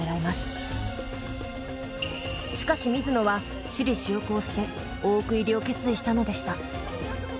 しかし水野は私利私欲を捨て大奥入りを決意したのでした。